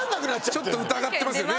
ちょっと疑ってますよね。